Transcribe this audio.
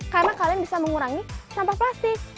karena kalian bisa mengurangi sampah plastik